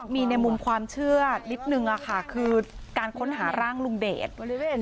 มีในมุมความเชื่อนิดนึงค่ะคือการค้นหาร่างลุงเดช